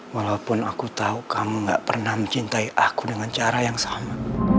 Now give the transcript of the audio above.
walaupun aku tahu kamu gak pernah mencintai aku dengan cara yang sama